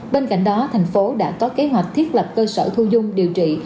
bên cạnh đó thành phố đã có kế hoạch thiết lập cơ sở thu dung điều trị